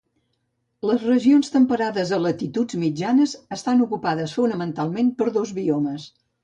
Les regions temperades a latituds mitjanes estan ocupades fonamentalment per dos biomes.